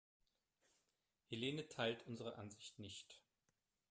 Helene teilt unsere Ansicht nicht.